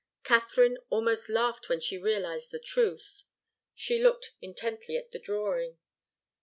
Katharine almost laughed when she realized the truth. She looked intently at the drawing.